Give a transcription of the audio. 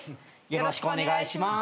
よろしくお願いします。